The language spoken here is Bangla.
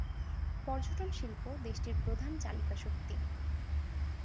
পর্যটন শিল্প দেশটির প্রধান চালিকা শক্তি।